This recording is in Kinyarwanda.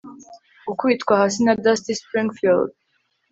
gukubitwa hasi na dusty springfield